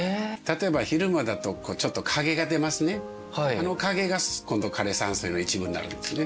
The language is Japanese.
あの影が今度枯山水の一部になるんですね。